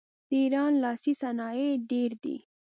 د ایران لاسي صنایع ډیر دي.